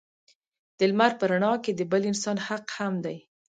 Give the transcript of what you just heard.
د لمر په رڼا کې د بل انسان حق هم دی.